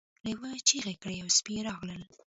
لیوه چیغې کړې او سپي راغلل.